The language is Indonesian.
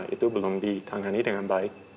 itu belum ditangani dengan baik